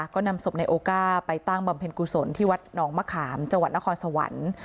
ก็นำศพในโอก้าไปตั้งบำเพ็ญกุศลที่วัดหนองมะขามจังหวัดนครสวรรค์